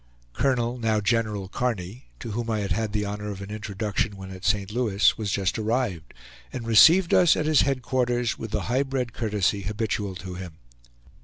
Colonel, now General, Kearny, to whom I had had the honor of an introduction when at St. Louis, was just arrived, and received us at his headquarters with the high bred courtesy habitual to him.